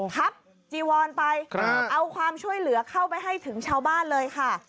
จีวอนไปเอาความช่วยเหลือเข้าไปให้ถึงชาวบ้านเลยค่ะ